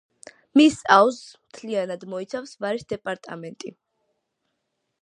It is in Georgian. მის აუზს მთლიანად მოიცავს ვარის დეპარტამენტი.